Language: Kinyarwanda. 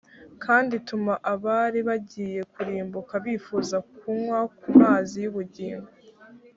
kandi ituma abari bagiye kurimbuka bifuza kunywa ku mazi y’ubugingo